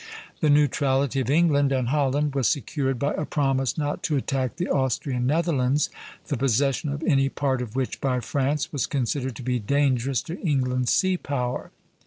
The neutrality of England and Holland was secured by a promise not to attack the Austrian Netherlands, the possession of any part of which by France was considered to be dangerous to England's sea power.